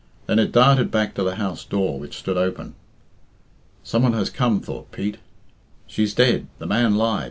Then it darted back to the house door, which stood open. "Some one has come," thought Pete. "She's dead. The man lied.